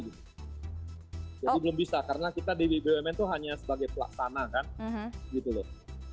jadi belum bisa karena kita di bumn itu hanya sebagai pelaksanaan kan